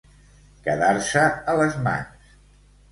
Quedar-se a les mans.